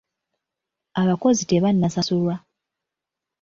Abakozi tebanasasulwa.